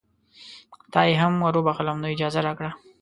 تا یې هم وروبخښلم نو اجازه راکړه.